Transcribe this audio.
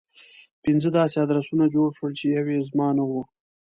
پنځه داسې ادرسونه جوړ شول چې يو يې زما نه و.